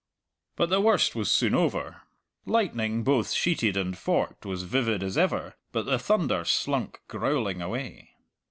But the worst was soon over. Lightning, both sheeted and forked, was vivid as ever, but the thunder slunk growling away.